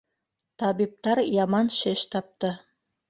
Табиптар яман шеш тапты.